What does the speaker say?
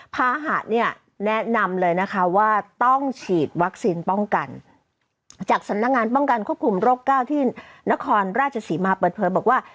ภาหะเนี่ยแนะนำเลยนะคะว่าต้องฉีดวัคซีนป้องกันจากสำนักงานป้องกันควบคุมโรคเก้าที่นครราชศรีมาเปิดเผยบอกว่า